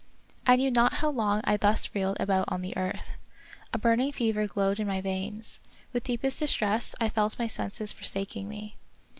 I know not how long I thus reeled about on the earth. A burning fever glowed in my veins; with deepest distress I felt my senses forsaking me.